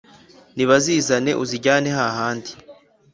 nibazizane uzijyane, hahandi